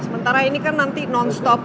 sementara ini kan nanti non stop